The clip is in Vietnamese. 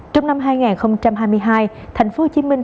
trong năm hai nghìn hai mươi hai tp hcm phát triển hàng hóa